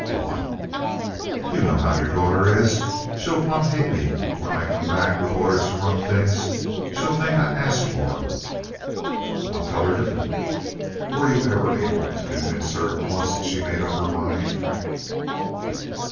"What?" "You know how your daughter is. She'll plumb hate me when I come back with orders to run things. She'll think I asked for 'em." "I'll tell her different." "Were you ever able to convince her, once she made up her mind?"